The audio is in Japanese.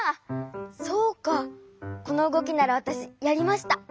そうかこのうごきならわたしやりました。